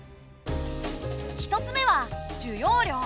１つ目は需要量。